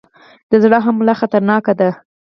د زړه حمله خطرناکه ده